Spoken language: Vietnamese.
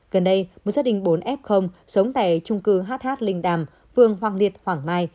gần đây một gia đình bốn f sống tại trung cư hh linh đàm phường hoàng liệt hoàng mai